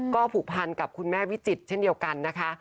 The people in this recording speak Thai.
ก็ผูกพันกับคุณแม่วิจิตรเช่นเดียวกันนะคะ